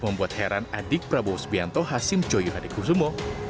membuat heran adik prabowo sbianto hasim coyuhadekusumo